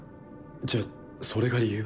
じゃそれが理由？